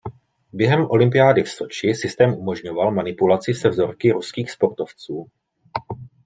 Během olympiády v Soči systém umožňoval manipulaci se vzorky ruských sportovců.